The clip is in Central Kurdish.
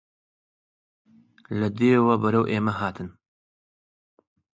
لە دێوە بەرەو ئێمە هاتن